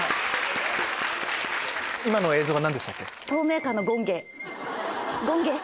今の映像が何でしたっけ？